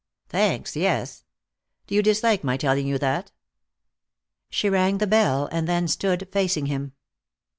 "Thanks, yes. Do you dislike my telling you that?" She rang the bell, and then stood Lacing him.